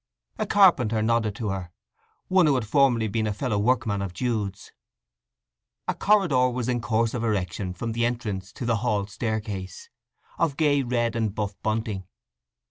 A carpenter nodded to her, one who had formerly been a fellow workman of Jude's. A corridor was in course of erection from the entrance to the hall staircase, of gay red and buff bunting.